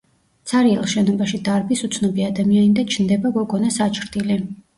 ცარიელ შენობაში დარბის უცნობი ადამიანი და ჩნდება გოგონას აჩრდილი.